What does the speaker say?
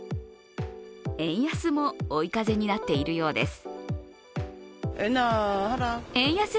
円安も追い風になっているようです。